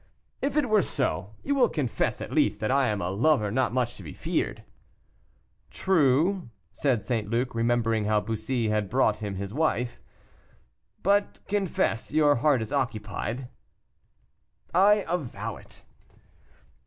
"If it were so, you will confess, at least, that I am a lover not much to be feared." "True," said St. Luc, remembering how Bussy had brought him his wife. "But confess, your heart is occupied." "I avow it."